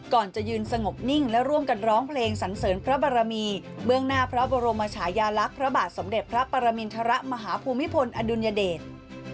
ก่อนจะยืนสงบนิ่งและร่วมกันร้องเพลงสันเสริญพระบรมีเบื้องหน้าพระบรมชายาลักษณ์พระบาทสมเด็จพระปรมินทรมาฮภูมิพลอดุลยเดช